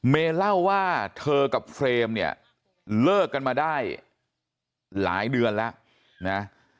เมย์เล่าว่าเธอกับเฟรมเนี่ยเลิกกันมาได้หลายเดือนแล้วนะ